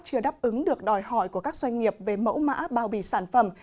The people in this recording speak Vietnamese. các doanh nghiệp cũng được đòi hỏi của các doanh nghiệp về mẫu mã bao bì sản phẩm